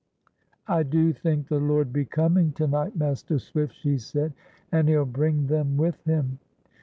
"I do think the Lord be coming to night, Master Swift," she said. "And He'll bring them with Him."